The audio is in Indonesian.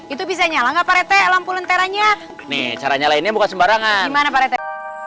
itu bisa nyala ngapain teks lampu lentera nya nih caranya lainnya buka sembarangan mana pak